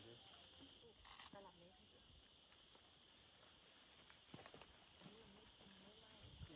ไม่เอาแต่แบบนี้